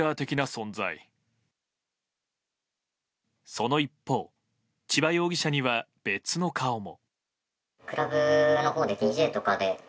その一方、千葉容疑者には別の顔も。